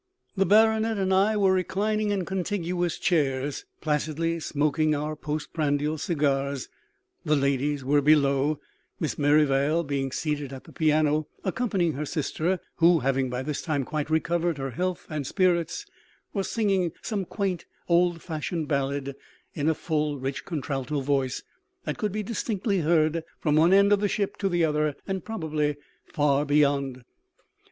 The baronet and I were reclining in contiguous chairs, placidly smoking our post prandial cigars; the ladies were below, Miss Merrivale being seated at the piano, accompanying her sister, who having by this time quite recovered her health and spirits was singing some quaint, old fashioned ballad in a full, rich contralto voice that could be distinctly heard from one end of the ship to the other, and probably far beyond.